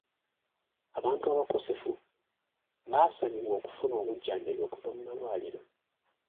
Abantu abakosefu baasabibwa okufuna obujjanjabi okuva mu malwaliro.